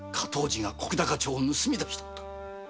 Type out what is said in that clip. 次が石高帳を盗み出したのだ。